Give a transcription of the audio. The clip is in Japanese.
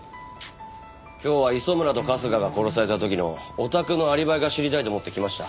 今日は磯村と春日が殺された時のお宅のアリバイが知りたいと思って来ました。